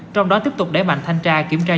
trong đó tiếp tục đẩy mạnh thanh tra kiểm tra